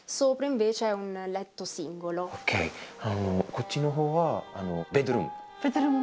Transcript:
こっちのほうはベッドルーム。